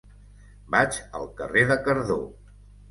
Vaig al carrer de Cardó.